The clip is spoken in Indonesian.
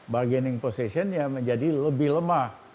bargaining positionnya menjadi lebih lemah